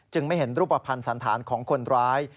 ไม่เห็นรูปภัณฑ์สันธารของคนร้าย